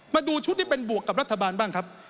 มาดูชุดที่เป็นบวกกับรัฐบาลบ้างครับ